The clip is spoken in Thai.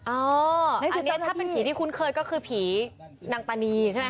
อันนี้ถ้าเป็นผีที่คุ้นเคยก็คือผีนางตานีใช่ไหมค